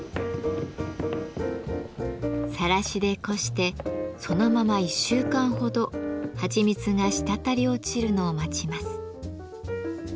サラシでこしてそのまま１週間ほどはちみつが滴り落ちるのを待ちます。